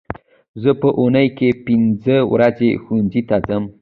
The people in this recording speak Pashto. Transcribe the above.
زه په اونۍ کې پینځه ورځې ښوونځي ته ځم